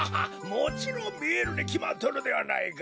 もちろんみえるにきまっとるではないか。